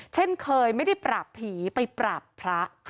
เช่นเคยไม่ได้ปราบผีไปปราบพระ